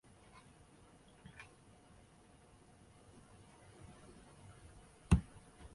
浊绡蝶属是蛱蝶科斑蝶亚科绡蝶族中的一个属。